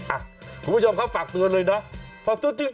อ่ะคุณผู้ชมเขาฝากตัวเลยนะฝากตัวจริง